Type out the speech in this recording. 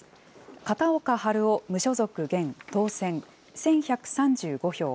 片岡春雄、無所属・現、当選、１１３５票。